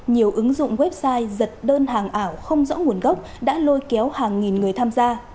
nhiều ứng dụng website giật đơn hàng ảo không rõ nguồn gốc đã lôi kéo hàng nghìn người tham gia